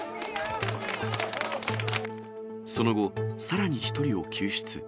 その後、さらに１人を救出。